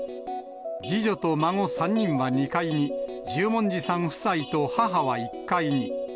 次女と孫３人は２階に、十文字さん夫妻と母は１階に。